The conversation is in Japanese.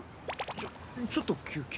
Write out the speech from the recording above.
ちょちょっと休憩。